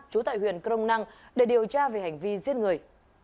trú tại huyện crong năng để điều tra về hành vi giết người